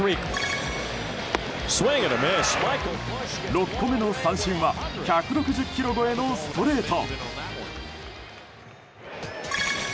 ６個目の三振は１６０キロ超えのストレート。